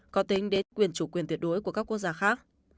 có tính đến quyền chủ quyền tuyệt đối của các quốc gia khác